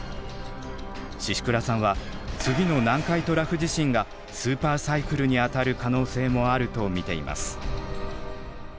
宍倉さんは次の南海トラフ地震がスーパーサイクルにあたる可能性もあると見ています。